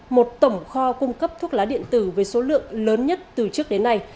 một tổng kho cung cấp thuốc lá điện tử với số lượng lớn nhất từ trước đến nay